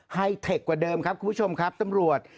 เทคกว่าเดิมครับคุณผู้ชมครับตำรวจ